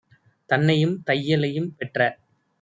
தன்னையும் தையலையும் - பெற்ற